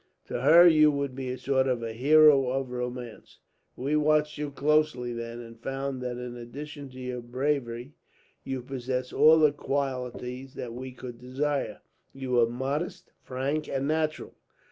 To her you would be a sort of hero of romance. We watched you closely then, and found that in addition to your bravery you possessed all the qualities that we could desire. You were modest, frank, and natural.